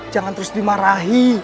jangan terus dimarahi